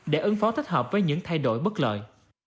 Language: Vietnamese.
để ứng phó thích hợp với những thay đổi bất lợi